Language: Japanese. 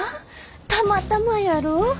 たまたまやろ？